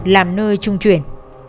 làm nơi trung chuyển